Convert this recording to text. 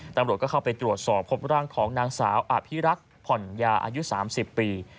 ตำรวจก็เข้าไปตรวจสอบพบร่างของนางสาวอภิรักษ์ผ่อนยาอายุ๓๐ปี